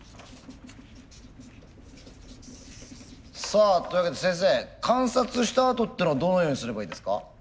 さあというわけで先生観察したあとっていうのはどのようにすればいいですか？